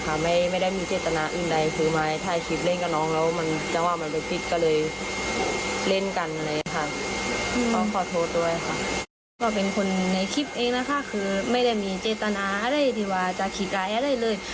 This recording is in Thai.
คลิปนี้ก็เป็นคนในคลิปเองนะคะไม่ได้มีเจตนาที่ว่าจะคิดไรอะไรเลย